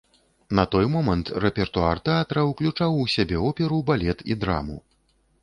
На той момант рэпертуар тэатра уключаў у сябе оперу, балет і драму.